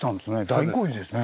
大工事ですね。